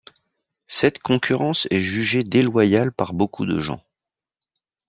Cette concurrence est jugée déloyale par beaucoup de gens.